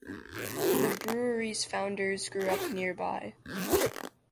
The brewery's founders grew up nearby.